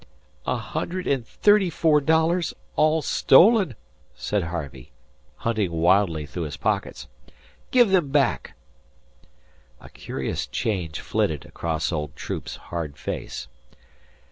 "A hundred and thirty four dollars all stolen," said Harvey, hunting wildly through his pockets. "Give them back." A curious change flitted across old Troop's hard face.